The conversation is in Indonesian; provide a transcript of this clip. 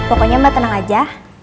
pokoknya mbak tenang aja